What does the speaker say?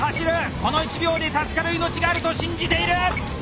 この１秒で助かる命があると信じている！